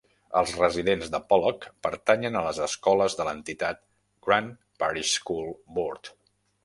Els residents de Pollock pertanyen a les escoles de l'entitat Grant Parish School Board.